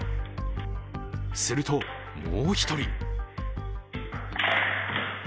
すると、もう１人。